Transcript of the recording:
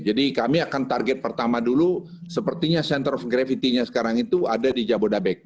jadi kami akan target pertama dulu sepertinya center of gravity nya sekarang itu ada di jabodetabek